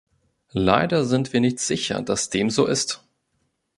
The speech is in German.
Leider sind wir nicht sicher, dass dem so ist.